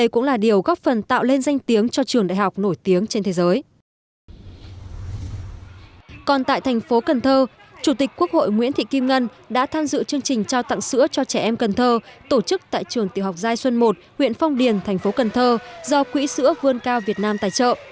còn tại thành phố cần thơ chủ tịch quốc hội nguyễn thị kim ngân đã tham dự chương trình trao tặng sữa cho trẻ em cần thơ tổ chức tại trường tiểu học giai xuân một huyện phong điền thành phố cần thơ do quỹ sữa vươn cao việt nam tài trợ